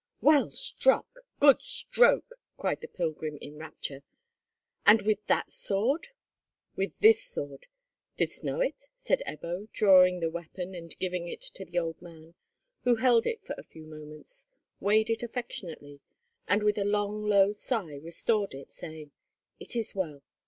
"Well struck! good stroke!" cried the pilgrim, in rapture. "And with that sword?" "With this sword. Didst know it?" said Ebbo, drawing the weapon, and giving it to the old man, who held it for a few moments, weighed it affectionately, and with a long low sigh restored it, saying, "It is well.